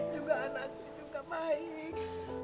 juga anaknya juga baik